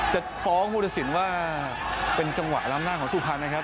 จะฟ้องพุทธศิลป์ว่าเป็นจังหวะลำด้านของสุภัณฑ์นะครับ